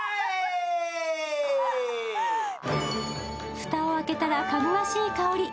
蓋を開けたらかぐわしい香り。